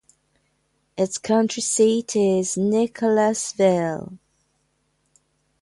Its county seat is Nicholasville.